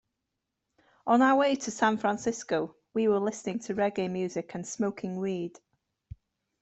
On our way to San Francisco, we were listening to reggae music and smoking weed.